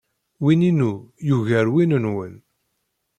Win-inu yugar win-nwen.